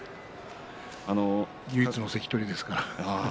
唯一の関取ですから。